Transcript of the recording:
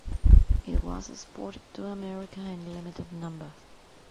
It was exported to America in limited numbers.